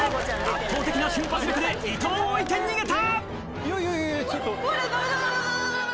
圧倒的な瞬発力で伊藤を置いて逃げた！